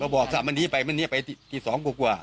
บอกว่ามันหนีไปมันหนีไปที่๒กว่า